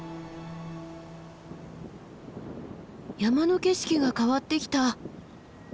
山の景色が変わってきた。